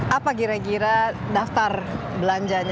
apa kira kira daftar belanjanya